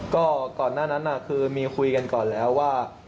ก็ก่อนหน้านั้นคือมีคุยกันก่อนแล้วว่า